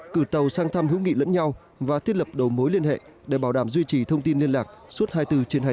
cử tàu sang thăm hữu nghị lẫn nhau và thiết lập đầu mối liên hệ để bảo đảm duy trì thông tin liên lạc suốt hai mươi bốn trên hai mươi bốn